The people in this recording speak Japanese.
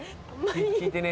聞いてね